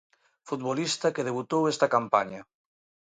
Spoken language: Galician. Futbolista que debutou esta campaña.